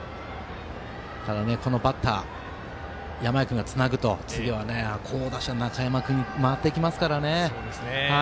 ただ、このバッター山家君がつなぐと次は、好打者中山君に回ってきますからね。